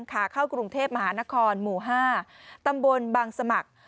ขาเข้ากรุงเทพมหานครหมู่๕ตำบลบางสมัคร